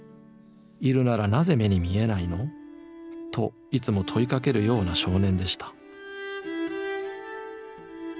いるならなぜ目に見えないの？」といつも問いかけるような少年でした。